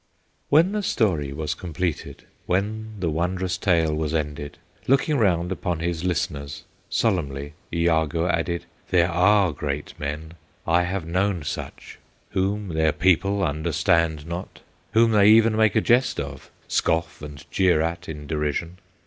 When the story was completed, When the wondrous tale was ended, Looking round upon his listeners, Solemnly Iagoo added: "There are great men, I have known such, Whom their people understand not, Whom they even make a jest of, Scoff and jeer at in derision.